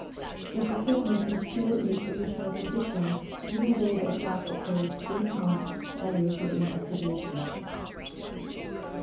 This equipment was still in its original position even though the attack occurred 8 months prior to the in vestigation.